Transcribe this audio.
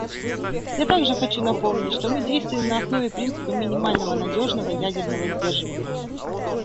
Я также хочу напомнить, что мы действуем на основе принципа минимального надежного ядерного сдерживания.